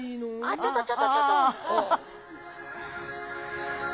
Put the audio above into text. ちょっとちょっとちょっと。